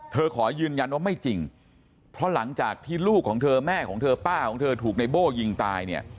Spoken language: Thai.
ขอยืนยันว่าไม่จริงเพราะหลังจากที่ลูกของเธอแม่ของเธอป้าของเธอถูกในโบ้ยิงตายเนี่ย